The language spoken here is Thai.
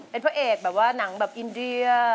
เป็นพระเอกแบบว่าหนังแบบอินเดีย